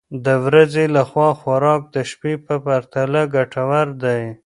د ورځې لخوا خوراک د شپې په پرتله ګټور دی.